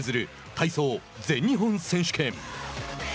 体操全日本選手権。